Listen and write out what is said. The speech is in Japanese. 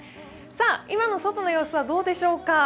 さあ今の外の様子はどうでしょうか。